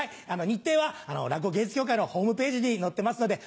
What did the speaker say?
日程は落語芸術協会のホームページに載ってますので。